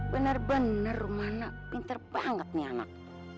bener bener rumana pinter banget nih anak